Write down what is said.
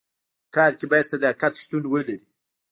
په کار کي باید صداقت شتون ولري.